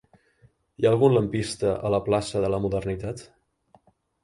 Hi ha algun lampista a la plaça de la Modernitat?